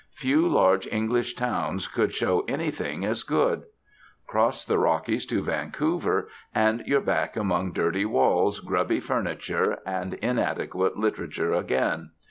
Few large English towns could show anything as good. Cross the Rockies to Vancouver, and you're back among dirty walls, grubby furniture, and inadequate literature again.